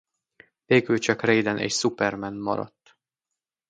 Végül csak Raiden és Superman marad.